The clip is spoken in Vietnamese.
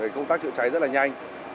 công tác chữa cháy rất là nhanh